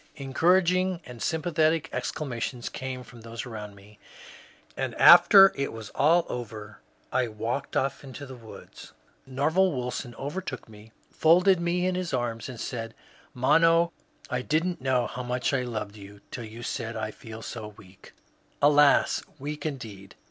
Encouraging and sympathetic exclamations came from those around me ; and after it was all over I walked off into the woods. Nerval Wilson overtook me, folded me in his arms, and said, ^* Mono, I did n't know how much I loved you till you said * I feel so weak.' " Alas, weak indeed